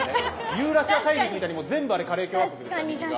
ユーラシア大陸みたいにもう全部あれカレー共和国右側は。